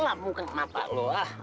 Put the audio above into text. lap muka mata lo ah